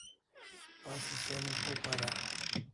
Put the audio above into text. Asi som ko para?